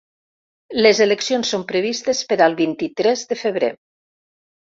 Les eleccions són previstes per al vint-i-tres de febrer.